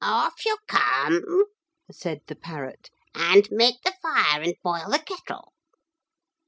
'Off you come,' said the parrot, 'and make the fire and boil the kettle.'